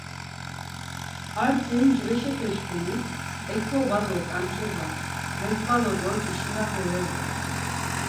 Arti mcveşepeçkunik ektoba do kançoba metkvala do ç̌işinape ves doren.